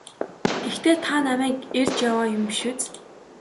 Гэхдээ та намайг эрж яваа юм биш биз?